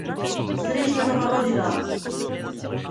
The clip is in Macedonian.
Среќна нова година.